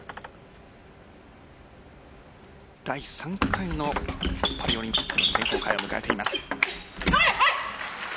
第３回のパリオリンピックの選考会を迎えています。